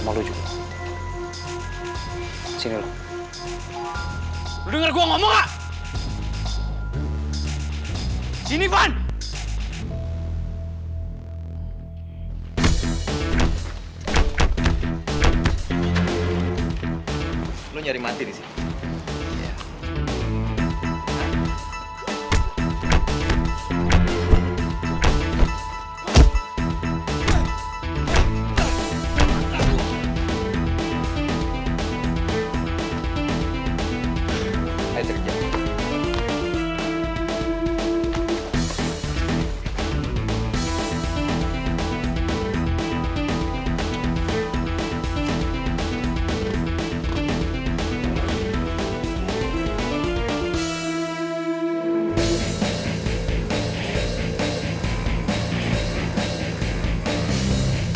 kalo dia udah ngecer rumah sakit dia juga udah tau kalo gua pura pura sakit